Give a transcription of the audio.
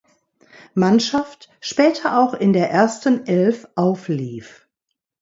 Mannschaft, später auch in der ersten Elf auflief.